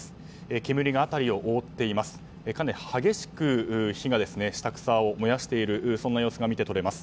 煙が辺りを覆っています。